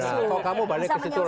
kalau kamu balik ke situ